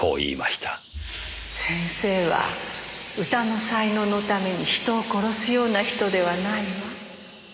先生は歌の才能のために人を殺すような人ではないわ。